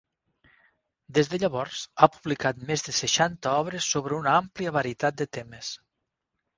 Des de llavors, ha publicat més de seixanta obres sobre una àmplia varietat de temes.